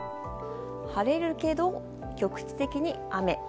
晴れるけど、局地的に雨。